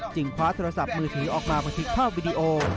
จึงคว้าโทรศัพท์มือถือออกมาเมื่อทิ้งภาพวิดีโอ